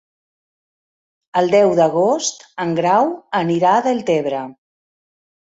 El deu d'agost en Grau anirà a Deltebre.